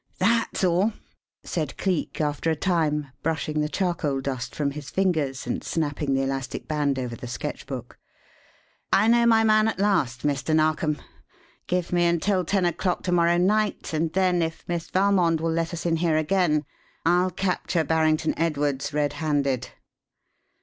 "That's all!" said Cleek, after a time, brushing the charcoal dust from his fingers, and snapping the elastic band over the sketch book. "I know my man at last, Mr. Narkom. Give me until ten o'clock to morrow night, and then, if Miss Valmond will let us in here again, I'll capture Barrington Edwards red handed."